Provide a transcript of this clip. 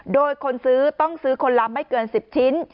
โดยต้องซื้อคนล้ำไม่เกิน๑๐ชิ้น